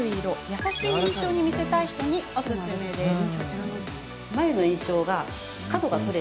優しい印象に見せたいという人におすすめです。